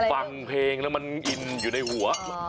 ฟังเพลงแล้วมันอินอยู่ในหัว